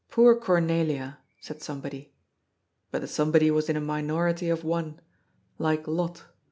"Poor Cornelia," said somebody. But the somebody was in a minority of one. Like Lot.